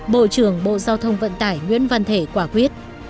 bộ trưởng bộ giao thông vận tải nguyễn văn thể quả quyết